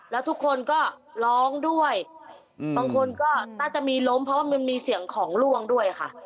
แล้วทุกคนก็ร้องด้วยบางคนก็น่าจะมีล้มเพราะว่ามันมีเสียงของล่วงด้วยค่ะ